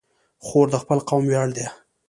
خور د خپل قوم ویاړ ده.